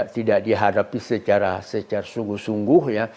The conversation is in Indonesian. tidak dihadapi secara sungguh sungguh ya